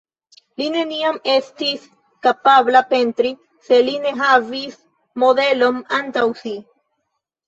Li neniam estis kapabla pentri se li ne havis modelon antaŭ si.